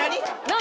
何？